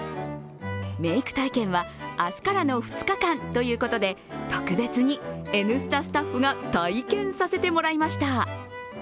メーク体験は明日からの２日間ということで、特別に「Ｎスタ」スタッフが体験させていただきました。